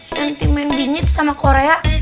sentimen bingit sama korea